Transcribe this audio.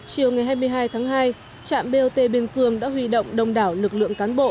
chiều ngày hai mươi hai tháng hai trạm bot biên cương đã huy động đông đảo lực lượng cán bộ